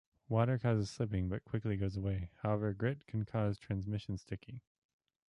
Water causes slipping but quickly goes away; however grit can cause transmission sticking.